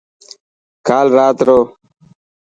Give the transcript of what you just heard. ڪال رات رو.